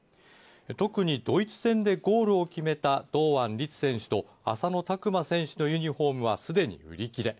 特にドイツ戦でゴールを決めた堂安律選手と浅野拓磨選手のユニホームはすでに売り切れ。